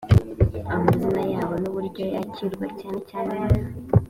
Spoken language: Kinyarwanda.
amazina yabo n uburyo yakirwa cyane cyane mu